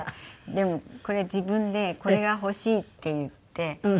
でもこれ自分で「これが欲しい」って言って。